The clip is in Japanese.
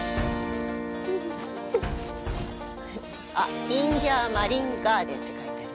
あっ、イムギャーマリンガーデンって書いてある。